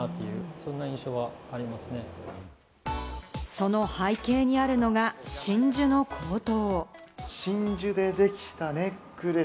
その背景にあるのが真珠の高騰。